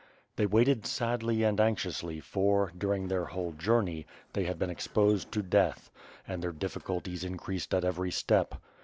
They waited sadly and anxiously for, during their whole journey, they had been exposed to death; and their difficulties in creased at every step.